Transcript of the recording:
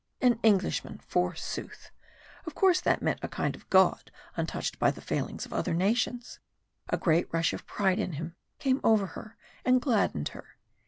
An Englishman, forsooth! Of course that meant a kind of god untouched by the failings of other nations. A great rush of pride in him came over her and gladdened her.